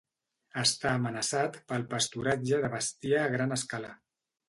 Està amenaçat pel pasturatge de bestiar a gran escala.